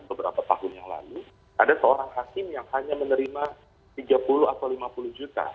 beberapa tahun yang lalu ada seorang hakim yang hanya menerima tiga puluh atau lima puluh juta